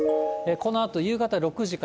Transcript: このあと夕方６時から。